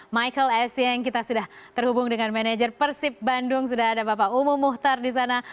michael essieng kita sudah terhubung dengan manajer persib bandung sudah ada bapak umuh muhtar di sana